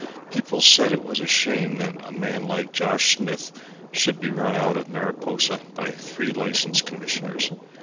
People said it was a shame that a man like Josh Smith should be run out of Mariposa by three license commissioners.